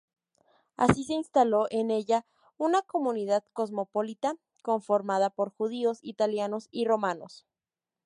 Así, se instaló en ella una comunidad cosmopolita, conformada por judíos, italianos y romanos.